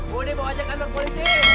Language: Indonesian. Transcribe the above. boleh bawa aja kantor polisi